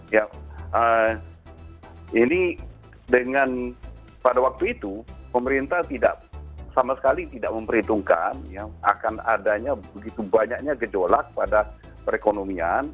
ya ini dengan pada waktu itu pemerintah tidak sama sekali tidak memperhitungkan akan adanya begitu banyaknya gejolak pada perekonomian